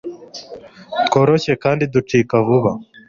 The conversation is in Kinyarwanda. tworoshye kandi ducika vuba,